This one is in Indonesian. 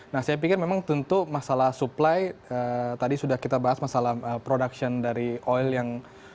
nah saya pikir memang tentu masalah supply tadi sudah kita bahas masalah production dari oil yang